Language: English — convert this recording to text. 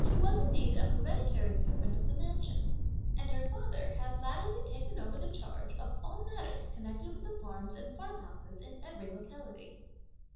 She was indeed an hereditary servant of the mansion; and her father had latterly taken over the charge of all matters connected with the farms and farmhouses in every locality.